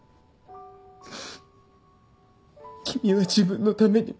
君は自分のために。